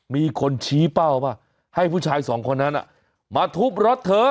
มีคนชี้เป้าป่ะให้ผู้ชายสองคนนั้นมาทุบรถเธอ